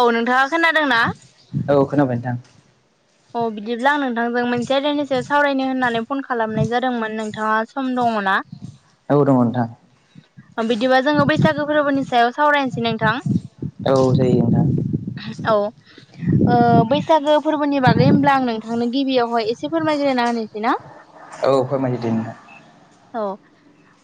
औ नोंथाङा खोनादोंना? औ खोनाबाय नोंथां। औ बिदिब्ला आं नोंथांजों मोनसे आइदानि सायाव सावरायनो होननानै फन खालामनाय जादोंमोन नोंथाङा सम दङ ना? औ दङ नोंथां बिदिबा जोङो बैसागो फोरबोनि सायाव सावरायनोसै नोंथां। औ जायो नोंथां औ ओ बैसागो फोरबोनि बाग गै होमब्ला आं नोंथांनो गिबियावहाय एसे फोरमायग्रोना होनोसै ना। औ फोरमायदो दे नोंथां। औ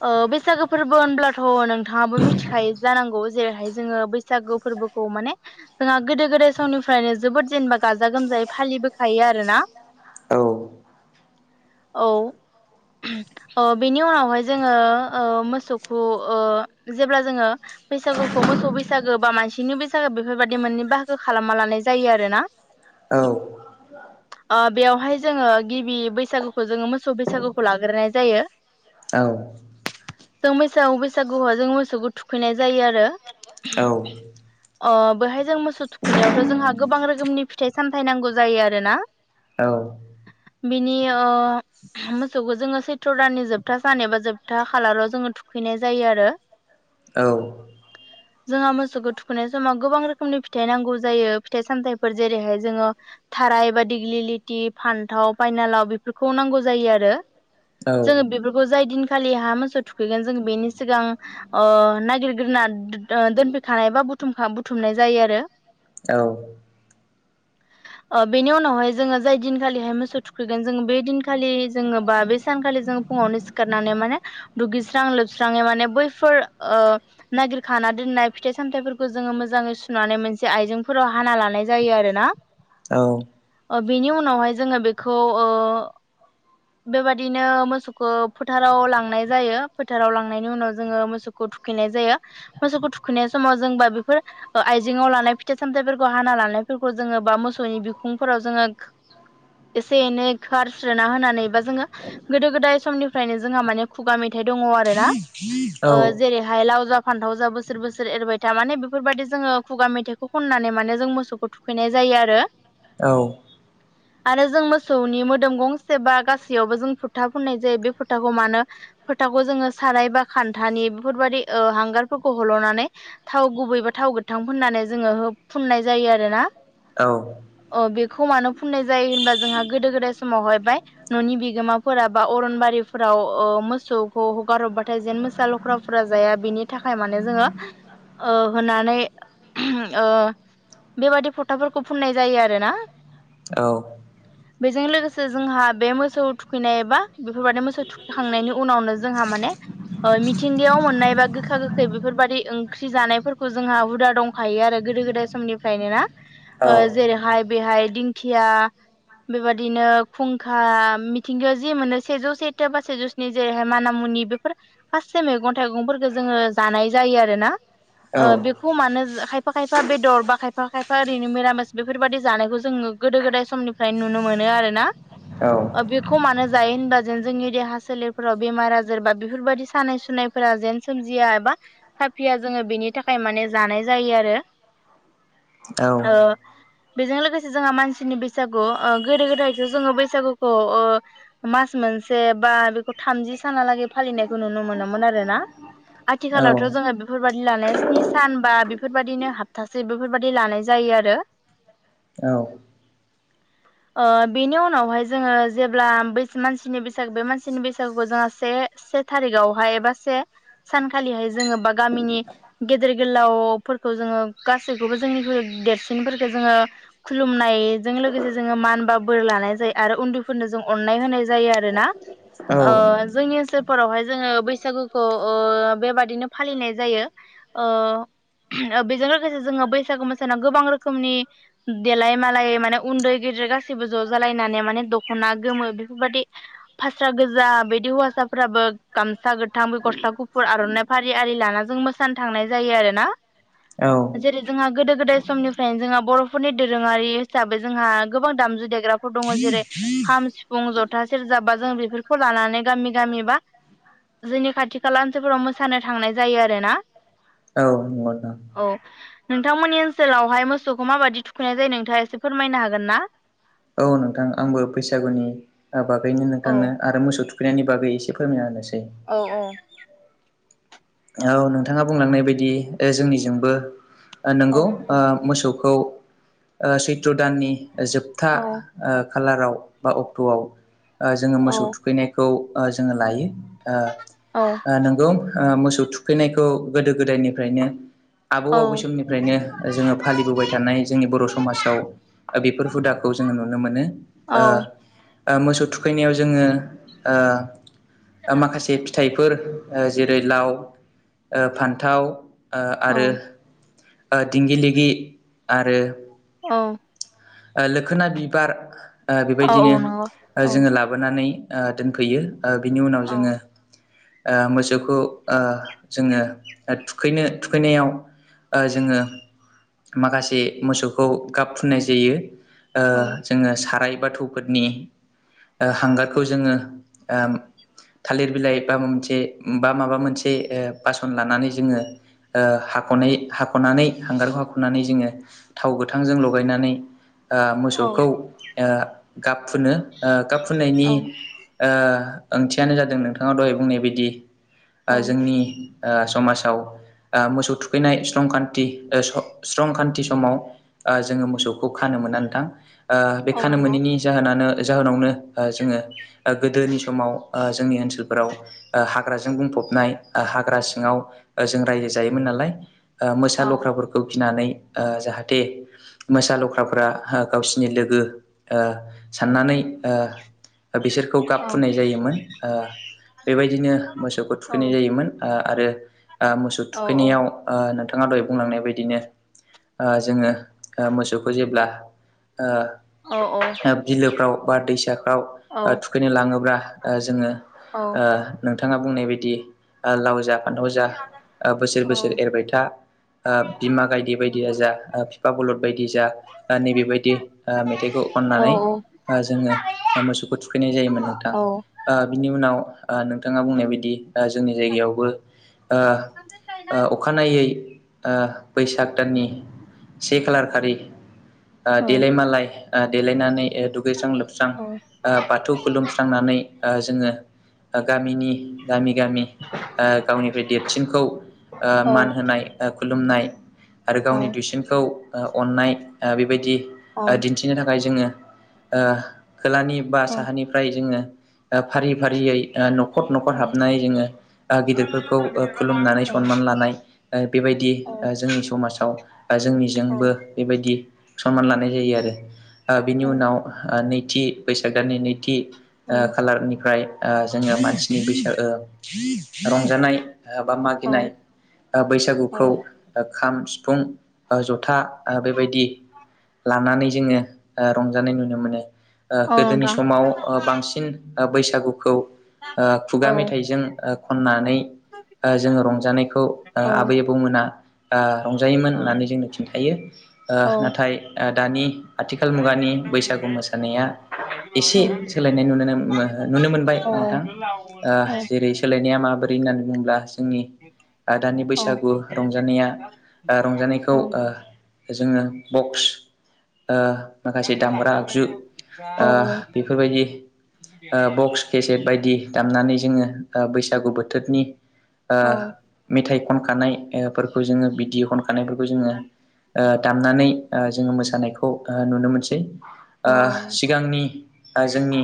ओ बैसागो फोरबो होनब्लाथ' नोंथाङाबो मिथिखायो जानांगौ जेरैहाय जोङो बैसागो फोरबो खौ माने जोंहा गोदो गोदाय समनिफ्रायनो जोबोद जेनेबा गाजा गोमजायै फालिबोखायो आरोना औ औ। अ' बेनि उनावहाय जोङो ओ मोसौखौ ओ जेब्ला जोङो बैसागुखौ मोसौ बैसागो बा मानसिनि बैसागो बेफोरबायदि मोननै बाहागो खालामना लानाय जायो आरोना। औ। ओ बेवहाय जोङो गिबि बैसागुखौ जोङो मोसौ बैसागुखौ लाग्रोनाय जायो। औ। जों बैसागु बैसागुआव जों मोसौखौ थुखैनाय जायो आरो। औ अ' बेहाय जों मोसौ थुखैनायावथ' जोंहा गोबां रोखोमनि फिथाइ सामथाइ नांगौ जायो आरोना। औ बिनि ओ मोसौखौ जोङो सैथ्र' दाननि जोबथा सान एबा जोबथा खालाराव जोङो थु खैनाय जायो आरो। औ। जोंहा मोसौखौ थुखैनाय समाव गोबां रोखोमनि फिथाइ नांगौ जायो फिथाइ सामथायफोर जेरैहाय जोङो थाराय बा दिग्लिलिथि फान्थाव बायनालाव बेफोरखौ नांगौ जायो आरो। औ। जोङो बेफोरखौ जाय दिनखालि हा मोसौ थुखैगोन जों बेनि सिगां ओ नागिरग्रोना दो-दोन ग्रोखानाय बा बुथुमखा बुथुमनाय जायो आरो। औ। ओ बेनि उनावहाय जोङो जाय दिनखालिहाय मोसौ थुखैगोन जोङो बे दिनखालि जोङो बा बे सानखालि जोङो फुङावनो सिखारनानै माने दुगैस्रां लोबस्राङै माने बैफोर ओ नागिरखाना दोन नाय फिथाइ सामथाइफोरखौ जोङो मोजाङै सुनानै मोनसे आइजेंफोराव हाना लानाय जायो आरो ना। औ बिनि उनावहाय जोङो बेखौ ओ बेबायदिनो मोसौखौ फोथाराव लांनाय जायो फोथाराव लांनायनि उनाव जोङो मोसौखौ थुखैनाय जायो मोसौखौ थुखैनाय समाव जोंबा बेफोर आइजेंंआव लानाय फिथाइ -सामथायफोरखौ हाना ल जोङो बा मोसौनि बिखुंफोराव जोङो एसे एनै खस्रोना होनानैबा जोङो गोदो गोदाय समनिफ्रायनो जोंहा माने खुगा मेथाइ द जेरै ल फान्थाव जा बोसोर बोसोर एरबाय था माने बेफोरबायदि जोङो खुगा मेथाइ खनानै माने जों मोसौखौ थुखैनाय जायो आरो औ आरो जों मोसौनि मोदोम गंसे बा गासैयावबो जों फुरथा फुननाय जायो बे फुर्थाखौ मानो फोथावखौ जोङो सानाय बा खान्थानि बेफोरबायाददि हांगारफोरखौ हल'नानै थाव गुबै बेबा थाव गोथां फुननानै जोङो हो फुननाय जायो आरो ना औ अ बेखौ मानो फुननाय जायो होनबा जोंहा गोदो गोदाय समावहाय बाय न'नि बिगोमाफोरा बा अ बारिफोराव मोसौखौ हगारहरबाथाय जेन मोसा लख्राफोरा जाया बिनि थाखाय माने जोङो होननानै बेबायदि फट' फथाफोरखौ फुननाय जायो आरो ना औ बेजों लोगोसे जोंहा बे मोसौ थुखैनायबा बेफोरबादि मोसौ थुखैखांनायनि उनावनो जोंहा माने मिथिंगायाव मोननाय बा गोखा गोखै बेफोरबायदि ओंख्रि जानायफोरखौ जोंहा हुदा दं। दंखायो आरो गोदो गोदाय समनिफ्रायनो ना औ जेरैहाय बेहाय दिंखिया बेबायदिनो खुंखा मिथिंगायाव जि मोनो सेजौ सेथो बा सेजौ स्नि जेरैहाय माना मु नि बेफोर माससे मैगं थाइगंफोरखौो जोङो जानाय जायो आरो ना बेखौ मानो खायफा खायफा बेदर बा खायफा खायफा एा ओरैनो मिरामिस बेफोरबायदि जानायखौ जोङो गोदो गोदाय समनिफ्राय नुनो मोनो आरोना औ खमानो जायो होनबा जेन जोंनि देहा सोलेरफोराव बेमार आजार बा बेफोरबायदि सानाय सुनायफोरा जेन सोम ुया एबा साफिया जोङो बिनि थाखाय माने जानाय जायो आरो अ बेजों लोगोसे जोंहा मानसिनि बैसागु गोदो गोदायथ' जोङो बैसागुखौ मास मोन मोनसे बा बेखौ थामजि सानालागै फालिनायखौ नुनो मोनोमोन आरोना आथिखालावथ' जोङो बेफोरबादि लानाया स्नि सान बा बेफोरबायाददिनो हाबतासे बेफोरबाद ल जायो आरो बेनि उनावहाय जोङो जेब्लाै मानसिनि बैसागु बे मानसिनि बैसागुखौ जों से से थारिखावहाय ए बा से सानखालिहाय जोङो बा गामिनि गेदेर गोलाव फोर जोङो गासि बेबो जोंनि देरसिनफोरखौ जोङो खुलुमनायजों लोगोसे जोङो मान बा बोर लानाय जायो। आरो उन्दैफोरनो जों अननाय होनाय जायो आरोना जोंनि बोसोरफोरावहाय जोङो बैसागुखौ ओ बेबादिनो फालिनाय जायो ओ ओ बेजों लोगोसे जोङो बैसागु मोसानायाव गोबां रोखोमनि देलाय मालाय माने उन्दै गेदेर गासिबो ज जालायना माने माने दखना गोमो बेफोरबायदि फास्रा गोजा बिदि हौवासाफोराबो गामसा गोथां बे गस्ला गुफुर आरनाइ फारि आरि लाना जों मोसानो थांनाय जायो आरोना जेरै जोंहा गोदो गोदाय समनिफ्रायनो जोंहा बरफोरनि दोरोङारि हिसाबै जोंहा गोबां दामजु देग्राफोर दङ जेरै खाम सिफुं जथा सेरजा बा जों बेफोरखौ लानानै गामि गामि बा जोंनि खाथि खाला ओनसोलफोराव मोसानो थांनाय जायो आरो ना औ नंगौ नोंथां नोंथांमोननि ओनसोलावहाय मोसौखौ माबायदि थुखैनाय जायो नोंथाङा एसे फोरमायनो हागोन ना औ नोंथां आंबो बैसागुनि ओ बागैनो औ नोंथांनो आरो मोसौ थुखैनायनि बागै एसे फोरमायना होनोसै औ औ औ नोंथाङा बुंलांनाय बायदि ओ जोंनिजोंबो ओ औ नोंगौ ओ मोसौखौ ओ सैथ्र दाननि जोबथा ओ खालाराव बा अक्टआव ओ जोङो औ मोसौ थुखैनायखौ ओ जोङो लायो औ ओ नोंगौ ओ मोसौ थुखैनायखौ गोदो गोदायनिफ्रायनो आबौ औ आबै समनिफ्रायनो जोङो फालिबोबाय थानाय जोंनि बर समाजाव बेफोर हुदाखौ जोङो नु मोनो औ ओ ओ मोसौ थुखैनायाव जोङो ओ ओ माखासे फिथाइफोर ओ जेरै लाव ओ फान्थाव ओ औ आरो दिंगि लिगि आरो औ ओ लोखोना बिबार ओ बेबायदिनो औ नंगौ ओ औ जोङो लाबोनानै ओ दोनफैयो ओ बिनि उनाव औ जोङो ओ मोसौखौ ओ जोङो थुखैनो थुखैनायाव ओ जोङो माखासे मोसौखौ गाब फुननाय जायो ओ जोङो साराय बा थौफोरनि ओ हांगारखौ जोङो ओ थालिर बिलाइ बा माबा मोनसे बा माबा मोनसे ओ बासन लानानै जोङो हाखनै हाखनानै हांगारखौ हाखनानै जोङो थाव गोथांजों लगायनानै ओ औ मोसौखौ ओ गाब फुनो ओ गाब फु फुननायनि औ ओ ओंथियानो जादों नोंथाङा दहाय बुंनाय बायदि ओ औ जोंनि ओ समाजाव ओ मोसौ थुखैनाय स्लंखान्थि ओ स स्रंखान्थि समाव ओ जोङो मोसौखौ खानो मोना नोंथां ओ बे औ खानो नंगौ मोनैनि जाहोनानो जाहोनावनो ओ जोङो ओ गोदोनि समाव ओ जोंनि ओनसोलफोराव ओ हाग्राजों बुंफ फबनाय ओ हाग्रा सिङाव जों रायजो जायोमोन नालाय ओ मोसा औ लख्राफोरखौ गिनानै ओ जाहाथे मोसा लख ख्राफ्रा ओ गावसिनि लोगो ओ औ साननानै ओ ओ बिसोरखौ गाब फुनाय जायोमोन ओ बेबायदिनो मोसौखौ औ थुखैनाय औ जायोमोन ओ आरो ओ मोसौ औ औ थुखैनायाव ओ नोंथाङा दहाय बुंलांनाय बायदिनो ओ जोङो ओ मोसौखौ जेब्ला ओ औ ओ बिलोफ्राव बा दैसाफ्राव ओ थुखैनो लाङोब्ला ओ जोङो ओ नोंथाङा बुंनाय बायदि ओ लाव जा फानथाव जा ओ बोसोर बोसोर एरबाय था ओ बिमा गायदे बायदि दाजा ओ बिफा बलद बायदि जा ओ नैबेबायदि ओ मेथाइखौ खननानै ओ जोङो ओ मोसौखौ थुखैनाय जायोमोन नोंथां ओ बिनि उनाव ओ नोंथाङा बुंनायबायदि ओ जोंनि जायगायावबो ओ ओ अखानायै ओ बैसाग दाननि से खालार खालि ओ देलाय मालाय ओ देलायनानै ओ दुगैस्रां लोबस्रां ओ बाथौ खुलुमस्रांनानै ओ जोंङो ओ गामिनि गामि गामि ओ गावनिफ्राय देदसिनखौ ओ मान होनाय ओ खुलुमनाय आरो गावनि दुइसिनखौ अननाय ओ बेबायदि ओ दिन्थिनो थाखाय जोंङो ओ खोलानिबा साहानिफ्राय जोंङो फारि-फारियै ओ न न'खर-न'खर हाबनाय जोंङो ओ गिदिरफोरखौ खुलुमनानै सनमान लानाय ओ बेबायदि ओ जोंनि समाजाव ओ जोंनि औ जोंबो बेबायदि सनमान लानाय जायो आरो ओ बिनि औ उनाव ओ नैथि बैसागनि दाननि नैथि ओ खालारनिफ्राय ओ जोंङो मानसिनि बैसाग ओ रंजानाय ओ बा औ मागिनाय ओ बैसागुखौ ओ खाम सिफुं ओ जथा ओ बेबायदि लानानै जोंङो ओ रंजानाय नुनो मोनो। ओ गोदोनि नोंथां समाव ओ बांसिन ओ बैसागुखौ ओ औ खुगा मेथाइजों ओ खननानै ओ जोंङो रंजानायखौ ओ औ आबै औ आबौ मोना ओ रंजायोमोन होननानै औ जोंनो खिन्थायो ओ नाथाय ओ दानि आथिखाल मुगानि बैसागु मोसानाया एसे सोलायनाय नुनो मो नुनो मोनबाय नोंथां ओ जेरै सोलायनाया माबा होननानै बुङोब्ला जोंनि ओ दानि बैसागु रंजानाया ओ रंजानायखौ ओ जोंङो बक्स ओ माखासे दामग्रा आगजु ओ बेफोरबायदि ओ बक्स केसेट बायदि दामनानै जोंङो ओ बैसागु बोथोरनि ओ औ औ मेथाइ खनखानायफोरखौ जोंङो बिदि खनखानायफोरखौ ओ जोंङो दामनानै ओ जोंङो मोसानायखौ ओ नुनो मोनसै औ ओ सिगांनि ओ जोंनि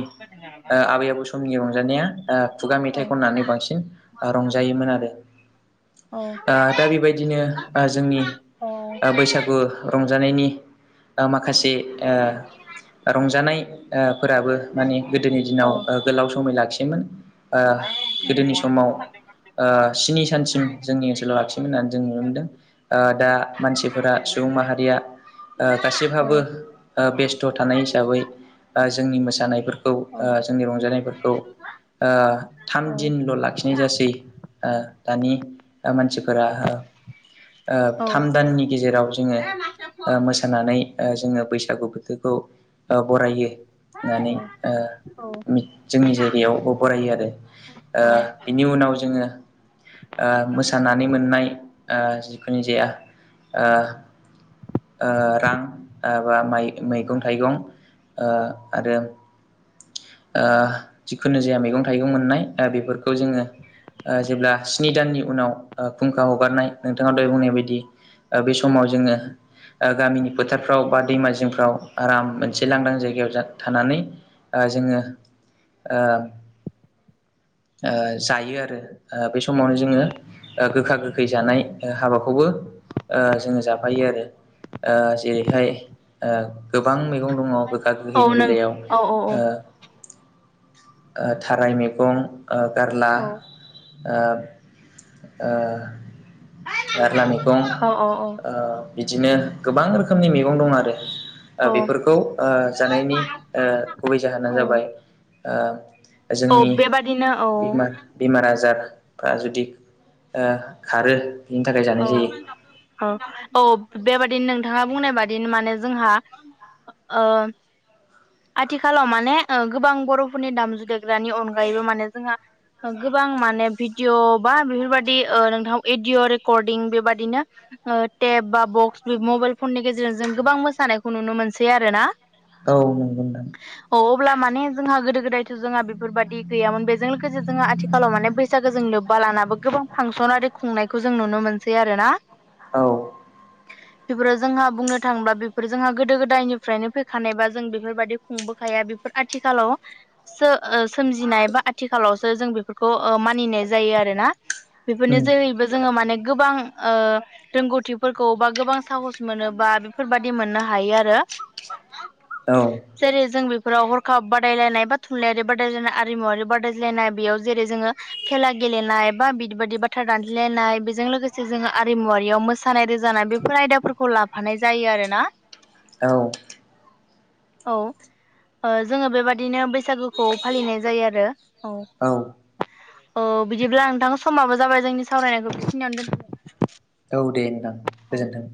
ओ आबै आबौ समनि रंजानाया ओ खुगा मेथाइ खननानै बांसिन रंजायोमोन आरो। ओ दा बेबायदिनो जोंनि औ बैसागु रं नुजानायनि दा माखासे ओ रंजानाय ओ फोराबो माने गोदोनि दिनाव ओ गोलाव समै लाखियोमोन ओ गोदोनि समाव ओ स्नि सानसिम जोंनि ओनसोलाव लाखियोमोन होननानै जों नुनो मोनदों। ओ दा मानसिफोरा सुबुं माहारिया ओ गासिबहाबो ओ बेस्थ' थानाय हिसाबै ओ जोंनि मोसानायफोरखौ ओ जोंनि रंजानायफोरखौ ओ थाम दिनल' लाखिनाय जासै ओ दानि ओ मानसि फोरा ओ थाम दाननि गेजेराव जोंङो ओ मोसानानै लानानै ओ जोंङो बैसागु बोथोरखौ ओ बरायो होननानै ओ जोंनि जायगायावबो बरायो आरो। ओ बिनि उनाव जोंङो ओ मोसानानै मोननाय ओ जिखुनु जाया ओ ओ रां एबा मै-मैगं थाइगं ओ आरो ओ जिखुनु जाया मैगं थाइगं मोननाय ओ बेफोरखौ जोंङो ओ जेब्ला स्नि दाननि उनाव ओ फुंखा हगारनाय नोंथाङा दहाय बुंनाय बायदि ओ बे समाव जोंङो ओ गामिनि फोथारफ्राव बा दैमा जिंफ्राव आराम मोनसे लांदां जायगायाव थानानै ओ जोंङो ओ [inaudible] ओ जायो आरो बे समावनो जोङो गोखा गोखै जानाय हाबाखौबो ओ जोङो जाफायो आरो ओ जेरैहाय ओ गोबां मैगं दङ गोखा गोहैनि बेलायाव ओ ओ थाराय मैगं ओ गारला ओ ओ गारला मैगं ओ बिदिनो गोबां रोखोमनि मैगं दं आरो ओ बेफोरखौ ओ जानायनि ओ गुबै जाहोना जाबाय ओ औ जोंनि बेबादिनो औ बेमार बेमार आजार बा जुदि ओ खारो बिनि थाखाय जानाय औ जायो आ औ बेबादिनो नोंथाङा बुंनाय बादि माने जोंहा आथिखालाव माने गोबां बर'फोरनि दामजु देग्रानि अनगायैबो माने जोंहा गोबां माने भिडिअ बा बेफोरबादि ओ नोंथां रेडिअ' रेर्खदिं बेबादिनो टेब बा बक्स मबाइल फननि गेजेरजों जों गोबां मोसानायखौ नुनो मोनो। सै आरोना औ नंगौ नोंथां अब्ला माने जोंहा गोदो गोदायथ' जोंहा बेफोरबादि गैयामोन बेजों लोगोसे जोंहा आथिखालाव माने बैसागो जों लोब बा लानाबो गोबां फांसन आरि खुंनायखौ जों नुनो मोनसै आरोना औ। [inaudible] [unintelligible] बेफोराव जोंहा बुंनो थाङोब्ला बेफोर जोंहा गोदो गोदायनिफ्रायनो फैखानायबा जों बेफोरबायदि खुंबोखाया बेफोर आथिखालाव सोमजिनाय बा आथिखालावसो जों बेफोरखौ ओ मानिनाय जायो आरो ना बेफोरनि उम जेहैबो माने गोबां रोंगौथिफोरखौ बा गोबां साहस मोनोबा बेफोरबायदि मोननो हायो। आरो औ जेरै जों बे फोराव हरखाब बादायलायनाय बा थुनलाइयारि बादायलायनाय आरिमुवारि बादायलायनाय बेयाव जेरै जोङो खेला गेले गेलेनाय एबा बिदि बादि बाथ्रा दान दान्थेलायनाय बेजों लोगोसे जों आरिमुवारियाव मोसानाय रोजाबनाय बेफोर आयदाफोरखौ लाफानाय जायो आरोना औ। औ जोङो बेबादिनो बैसागुखौ फालिनाय जायो। आरो औ। औ बिदिब्ला नोंथां समाबो जाबाय जोंनि सावरायनायखौ बेखिनियावनो दोनथ'बाय औ दे नोंथां गोजोन्थों।